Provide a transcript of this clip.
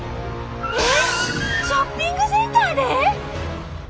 えっショッピングセンターで！？